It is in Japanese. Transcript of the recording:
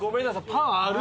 パンある？